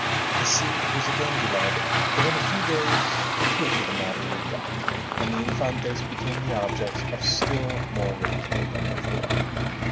The Cid was again delighted, but in a few days the truth of the matter leaked out and the Infantes became the objects of still more ridicule than before.